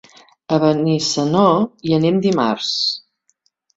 A Benissanó hi anem dimarts.